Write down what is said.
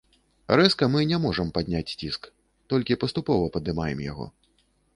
Рэзка мы не можам падняць ціск, толькі паступова падымаем яго.